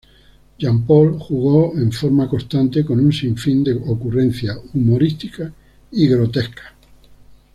Jean Paul jugó en forma constante con un sinfín de ocurrencias humorísticas y grotescas.